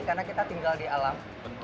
karena kita tinggal di alam